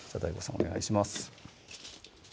お願いします